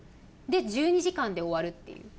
で１２時間で終わるっていう。